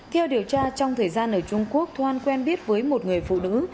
theo điều tra trong thời gian ở trung quốc thoan quen biết với một người phụ nữ